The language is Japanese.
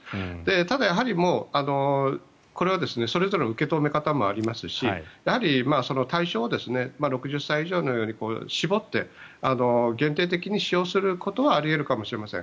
ただ、やはりこれはそれぞれの受け止め方もありますしやはり対象を６０歳以上のように絞って限定的に使用することはあり得るかもしれません。